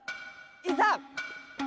いざ！